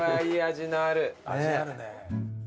味あるね。